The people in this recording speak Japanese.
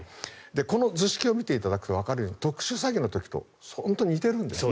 この図式を見ていただくとわかるように特殊詐欺の時と本当に似てるんですね。